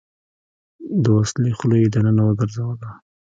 د وسلې خوله يې دننه وګرځوله.